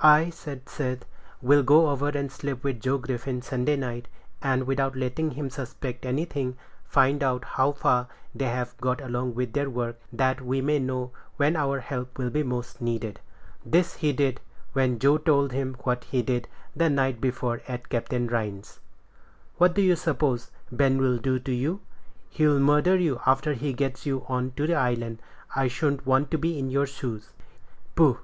"I," said Seth, "will go over and sleep with Joe Griffin Sunday night, and, without letting him suspect anything, find out how far they've got along with their work, that we may know when our help will be most needed." This he did, when Joe told him what he did the night before at Captain Rhines's. "What do you suppose Ben'll do to you? He'll murder you after he gets you on to the island. I shouldn't want to be in your shoes." "Poh!